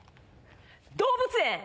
動物園。